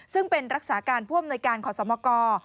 ซึ่งเป็นรักษาการผ่วมนวยการขมค